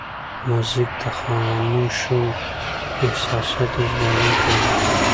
موزیک د خاموشو احساساتو ژباړونکی دی.